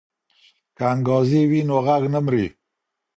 که انګازې وي نو غږ نه مري.